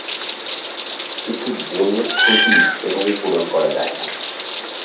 কিন্তু বনের ক্ষতি এভাবে পূরণ করা যায় না।